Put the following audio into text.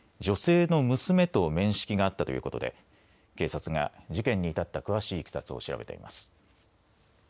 女性の娘と面識があったということで警察が事件に至った詳しいいきさつを調べています。